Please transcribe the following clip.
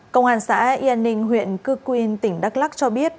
công an xã yên ninh huyện cư quyên tỉnh đắk lắc cho biết